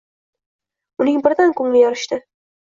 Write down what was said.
Uning birdan koʻngli yorishdi